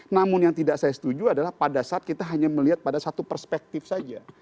namun yang tidak saya setuju adalah pada saat kita hanya melihat pada satu perspektif saja